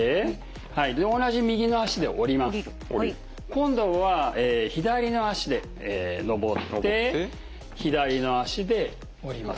今度は左の足で上って左の足で下ります。